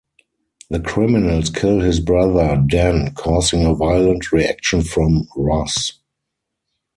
The criminals kill his brother Dan causing a violent reaction from Ross.